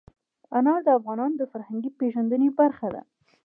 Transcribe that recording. انار د افغانانو د فرهنګي پیژندنې برخه ده.